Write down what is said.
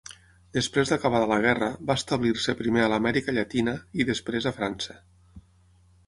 Després d'acabada la Guerra, va establir-se primer a l'Amèrica Llatina i, després, a França.